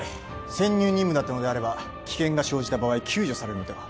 潜入任務だったのであれば危険が生じた場合救助されるのでは？